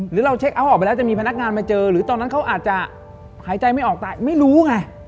หรือเราเช็คเอาท์ออกไปแล้วจะมีพนักงานมาเจอหรือตอนนั้นเขาอาจจะหายใจไม่ออกตายไม่รู้ไง